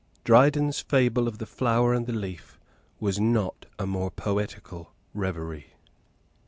Dryden's fable of the flower and the leaf was not a more poetical reverie.